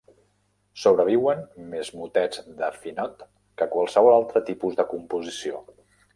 Sobreviuen més motets de Phinot que qualsevol altre tipus de composició.